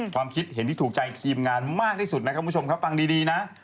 ความคิดเห็นที่ถูกใจทีมงานมากที่สุดนะครับคุณผู้ชมครับฟังดีนะ